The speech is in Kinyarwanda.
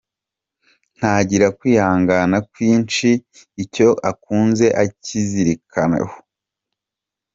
Ntagira kwihangana kwinshi, icyo akunze acyizirikaho.